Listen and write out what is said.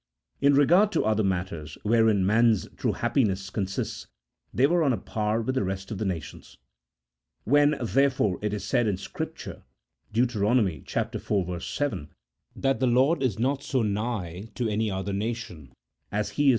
In re gard to other matters, wherein man's true happiness con sists, they were on a par with the rest of the nations. When, therefore, it is said in Scripture (Deut. iv. 7) that the Lord is not so nigh to any other nation as He is to the CHAP.